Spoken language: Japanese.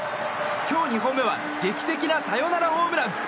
今日２本目は劇的なサヨナラホームラン！